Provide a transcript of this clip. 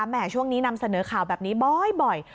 แห่ช่วงนี้นำเสนอข่าวแบบนี้บ่อย